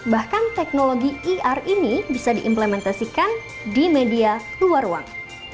bahkan teknologi ir ini bisa diimplementasikan di media luar ruang